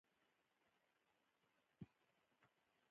قادر کاکا ته یې کړه چې ږیره ولې خرېیې؟